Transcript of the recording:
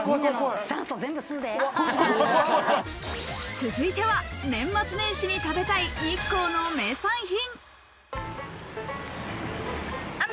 続いては、年末年始に食べたい日光の名産品。